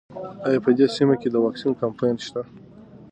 ایا په دې سیمه کې د واکسین کمپاین شته؟